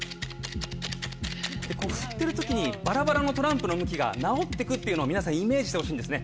振ってる時にバラバラのトランプの向きが直って行くっていうのを皆さんイメージしてほしいんですね。